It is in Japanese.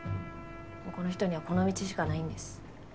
もうこの人にはこの道しかないんです。